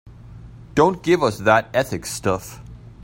Don't give us that ethics stuff.